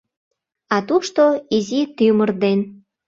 А тушто изи тӱмыр ден